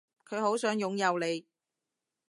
佢好想擁有你